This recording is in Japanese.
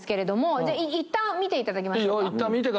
じゃあいったん見て頂きましょうか？